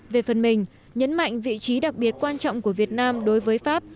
về phần mình nhấn mạnh vị trí đặc biệt quan trọng của việt nam đối với pháp